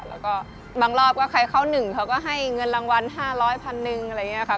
แล้วก็บางรอบก็ใครเข้า๑เขาก็ให้เงินรางวัล๕๐๐พันหนึ่งอะไรอย่างนี้ค่ะ